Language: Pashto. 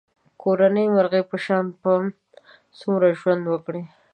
کورني مرغه په شان به څومره ژوند کړې.